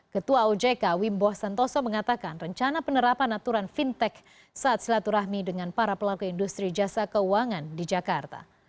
ketua ojk wimbo santoso mengatakan rencana penerapan aturan fintech saat silaturahmi dengan para pelaku industri jasa keuangan di jakarta